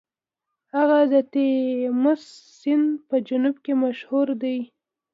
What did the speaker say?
هغه د تیمس سیند په جنوب کې مشهور دی.